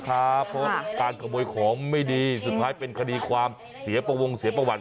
เพราะการขโมยของไม่ดีสุดท้ายเป็นคดีความเสียประวงเสียประวัติ